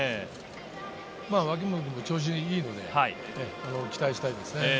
脇本も調子がいいので期待したいですね。